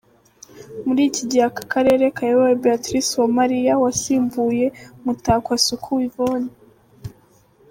Muri iki gihe aka karere kayobowe Béatrice Uwamariya wasimbuye Mutakwasuku Yvonne.